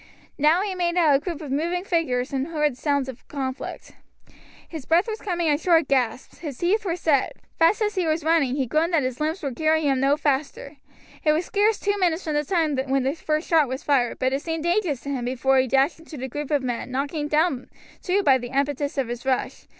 Now he made out a group of moving figures and heard the sounds of conflict. His breath was coming in short gasps, his teeth were set; fast as he was running, he groaned that his limbs would carry him no faster. It was scarce two minutes from the time when the first shot was fired, but it seemed ages to him before he dashed into the group of men, knocking down two by the impetus of his rush.